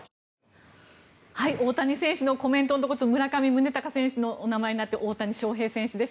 大谷選手のコメントのところ村上宗隆選手の名前になってましたが大谷翔平選手です。